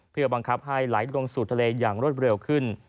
เพื่อบังคับให้ไหลลงสู่ทะเลอย่างรวดเร็วขึ้น